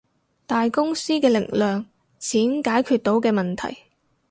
大公司嘅力量，錢解決到嘅問題